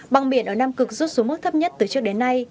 băng biển ở nam cực rút xuống mức thấp nhất từ trước đến nay